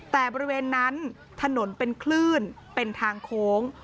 แต่บริเวณนั้นถนนเป็นคลื่นเป็นทางโค้ง